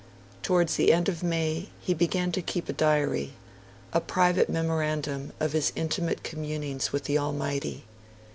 Towards the end of May, he began to keep a diary a private memorandum of his intimate communings with the Almighty.